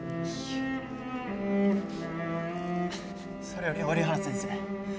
それより折原先生